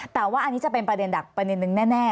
แต่ว่าอันนี้จะเป็นประเด็นดักประเด็นนึงแน่